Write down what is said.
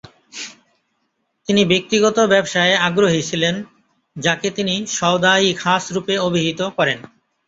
তিনি ব্যক্তিগত ব্যবসায়ে আগ্রহী ছিলেন যাকে তিনি ‘সওদা-ই-খাস’ রূপে অভিহিত করেন।